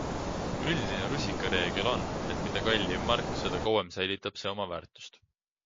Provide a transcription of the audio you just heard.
Üldine rusikareegel on, et mida kallim mark, seda kauem säilitab see oma väärtust.